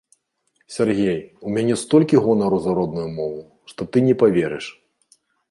Сяргей, у мяне столькі гонару за родную мову, што ты не паверыш.